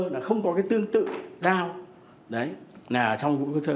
là không có cái tương tự dao đấy là trong vũ khí thô sơ